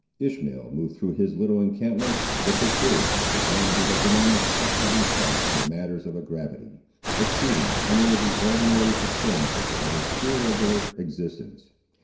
Ishmael moved through his little encampment, with the seriousness of one who had been unexpectedly charged with matters of a gravity, exceeding any of the ordinary occurrences of his irregular existence.